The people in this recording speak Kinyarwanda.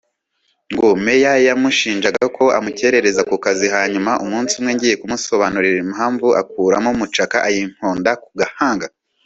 ngo Meya yamushinjaga ko amukereza ku kazi hanyuma umunsi umwe ‘ngiye kumusobanurira impamvu akuramo mucako ayimponda ku gahanga’